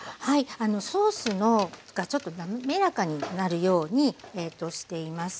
ソースがちょっと滑らかになるようにしています。